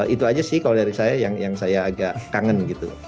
itu aja sih kalau dari saya yang saya agak kangen gitu